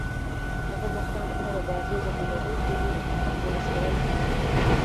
هغه د خان قره باغي د هنري ډلې دولس کلن هلک و.